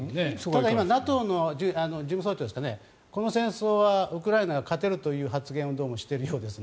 ただ、今ＮＡＴＯの事務総長ですかねこの戦争はウクライナが勝てるという発言をどうもしているようです。